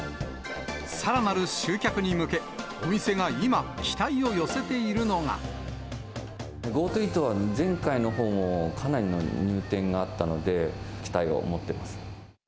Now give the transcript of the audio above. さらなる集客に向け、お店が今、ＧｏＴｏイートは、前回のほうもかなりの入店があったので、期待を持っています。